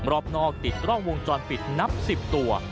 รอบนอกติดกล้องวงจรปิดนับ๑๐ตัว